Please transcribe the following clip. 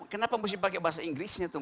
kenapa mesti pakai bahasa inggrisnya tuh